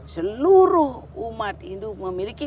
seluruh umat hindu memiliki